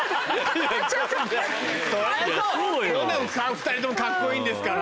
２人ともカッコいいんですから。